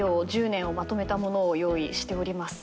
１０年をまとめたものを用意しております。